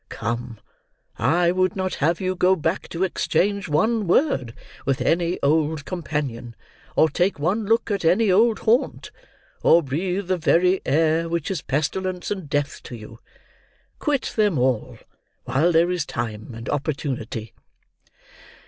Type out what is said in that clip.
Come! I would not have you go back to exchange one word with any old companion, or take one look at any old haunt, or breathe the very air which is pestilence and death to you. Quit them all, while there is time and opportunity!"